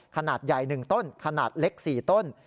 ขนาดใหญ่๑ต้นขนาดเล็ก๔ต้น